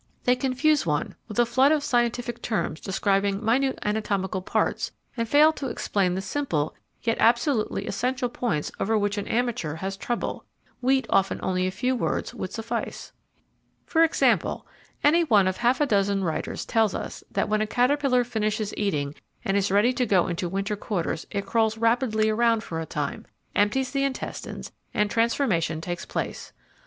They confuse one with a flood of scientific terms describing minute anatomical parts and fail to explain the simple yet absolutely essential points over which an amateur has trouble, wheat often only a few words would suffice. For example, any one of half a dozen writers tells us that when a caterpillar finishes eating and is ready to go into winter quarters it crawls rapidly around for a time, empties the intestines, and transformation takes place.